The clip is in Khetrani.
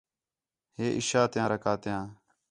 ہِے عِشاء تیاں رکعتیان